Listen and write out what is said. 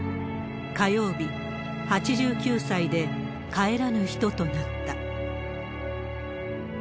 火曜日、８９歳で帰らぬ人となった。